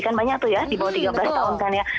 kan banyak tuh ya di bawah tiga belas tahun kan ya